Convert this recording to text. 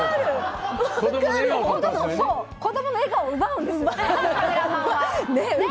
子供の笑顔を奪うんです。